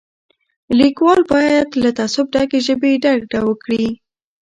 لیکوال باید له تعصب ډکې ژبې ډډه وکړي.